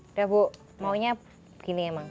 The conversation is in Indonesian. udah bu maunya gini emang